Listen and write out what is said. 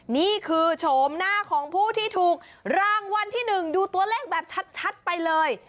นี่คือโฉมหน้าของผู้ที่ถูกรางวัลที่๑ดูตัวเลขแบบชัดไปเลย